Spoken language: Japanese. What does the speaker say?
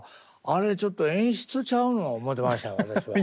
あれちょっと演出ちゃうの思ってました私は。